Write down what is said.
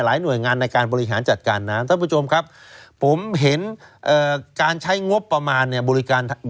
กระทรวงเกษตรแล้วก็กระทรวงมหาธัยอีก